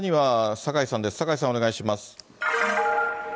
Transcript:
酒井さん、お願いします。